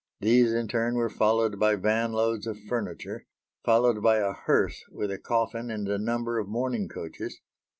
These in turn were followed by van loads of furniture; followed by a hearse with a coffin and a number of mourning coaches.